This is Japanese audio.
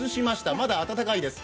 まだ温かいです。